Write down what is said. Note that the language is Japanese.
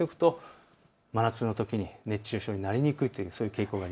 真夏のときに熱中症になりにくいです。